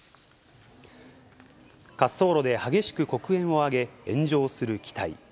滑走路で激しく黒煙を上げ、炎上する機体。